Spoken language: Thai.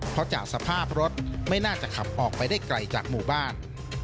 เพราะจากสภาพรถไม่น่าจะขับออกไปได้ไกลจากหมู่บ้าน